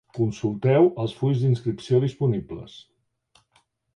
Consulteu els fulls d'inscripció disponibles.